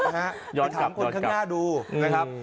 ไปถามคนข้างหน้าดูนะครับ